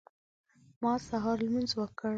ما سهار لمونځ وکړ.